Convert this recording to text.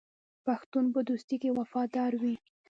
پښتون په دوستۍ کې وفادار وي.